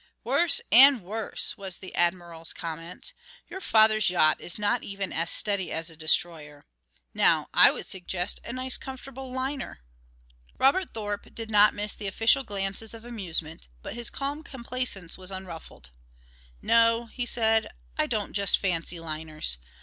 "Worse and worse," was the Admiral's comment. "Your father's yacht is not even as steady as a destroyer. Now I would suggest a nice comfortable liner...." Robert Thorpe did not miss the official glances of amusement, but his calm complacence was unruffled. "No," he said, "I don't just fancy liners.